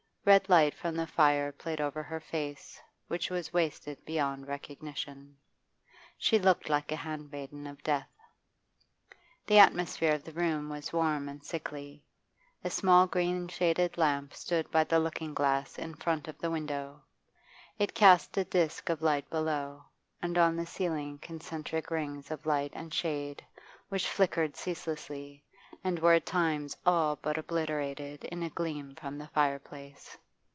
Red light from the fire played over her face, which was wasted beyond recognition. She looked a handmaiden of Death. The atmosphere of the room was warm and sickly. A small green shaded lamp stood by the looking glass in front of the window; it cast a disk of light below, and on the ceiling concentric rings of light and shade, which flickered ceaselessly, and were at times all but obliterated in a gleam from the fireplace.